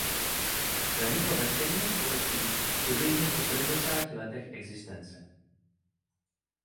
Zaniklo ve stejném století přibližně po sedmdesáti letech existence.